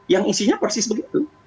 yang isinya persis begitu